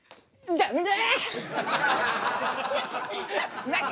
ダメだ。